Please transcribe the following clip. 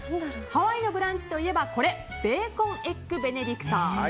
ハワイのブランチといえばこれベーコンエッグベネディクト。